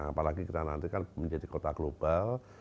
apalagi nanti kan kita menjadi kota global